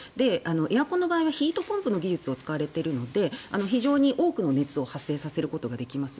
エアコンの場合はヒートポンプの技術が使われているので非常に多くの熱を発生させることができます。